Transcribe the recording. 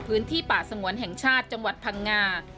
พื้นที่ป่าสงวนแห่งชาติจังหวัดพังงา